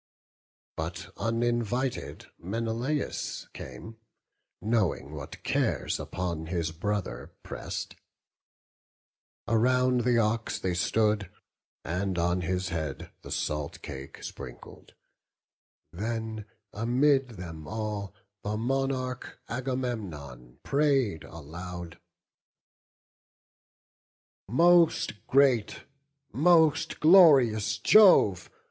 But uninvited Menelaus came, Knowing what cares upon his brother press'd. Around the ox they stood, and on his head The salt cake sprinkled; then amid them all The monarch Agamemnon pray'd aloud: "Most great, most glorious Jove!